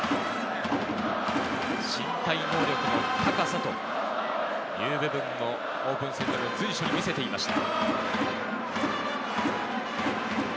身体能力の高さという部分もオープン戦で随所に見せていました。